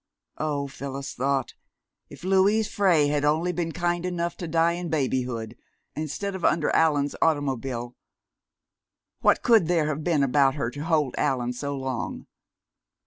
Oh, Phyllis thought, if Louise Frey had only been kind enough to die in babyhood, instead of under Allan's automobile! What could there have been about her to hold Allan so long?